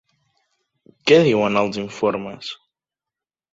Què diuen, els informes?